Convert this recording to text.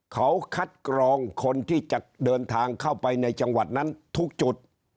เขาคัดกรองคนที่จะเดินทางเข้าไปในจังหวัดนั้นทุกจุด